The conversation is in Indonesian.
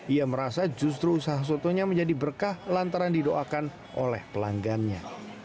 ia merasa justru usaha sotonya menjadi berkah lantaran didoakan oleh pelanggannya